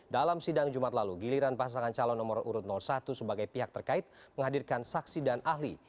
dalam sidang jumat lalu giliran pasangan calon nomor urut satu sebagai pihak terkait menghadirkan saksi dan ahli